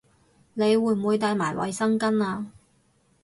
你會唔會帶埋衛生巾吖